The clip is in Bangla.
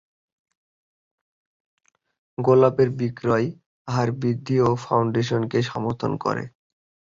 গোলাপের বিক্রয় হাড় বৃদ্ধি ফাউন্ডেশনকে সমর্থন করে।